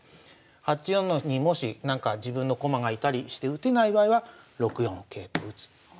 ８四にもし自分の駒が居たりして打てない場合は６四桂と打つ。